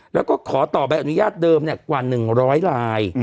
แล้วก็ขอต่อใบอนุญาตเดิมกว่า๑๐๐ลาย